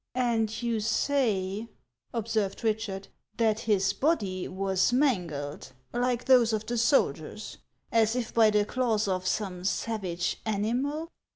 And you say," observed Eichard, " that his body was mangled, like those of the soldiers, as if by the claws of some savage animal